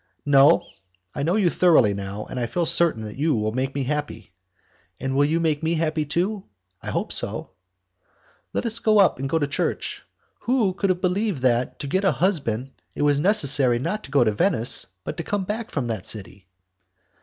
"No; I know you thoroughly now, and I feel certain that you will make me happy." "And will you make me happy, too?" "I hope so." "Let us get up and go to church. Who could have believed that, to get a husband, it was necessary not to go to Venice, but to come back from that city!"